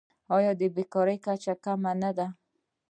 آیا د بیکارۍ کچه کمه نه ده؟